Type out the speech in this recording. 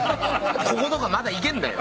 こことかまだいけんだよ。